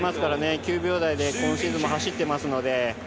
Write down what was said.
９秒台で今シーズンも走っています。